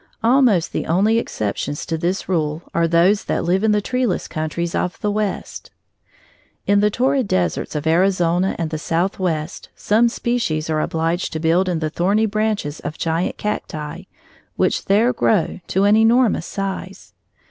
Almost the only exceptions to this rule are those that live in the treeless countries of the West. In the torrid deserts of Arizona and the Southwest, some species are obliged to build in the thorny branches of giant cacti, which there grow to an enormous size.